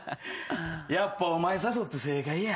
やっぱお前誘って正解や。